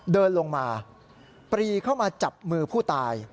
เดินลงมาปรีเข้ามาจับมือผู้ตาย